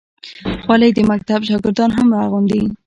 خولۍ د مکتب شاګردان هم اغوندي.